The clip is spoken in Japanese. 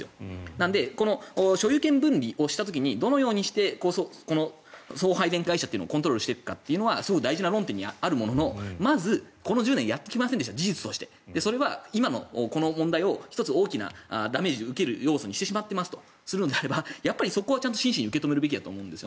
なので、所有権分離をした時にどのようにして送配電会社をコントロールしていくかというのは大事な論点にあるもののまずこの１０年、事実としてやってこなかった今、この問題を１つ大きなダメージを受ける要素にしてしまっていますとするのであればやっぱりそこは真摯に受け止めるべきだと思うんです。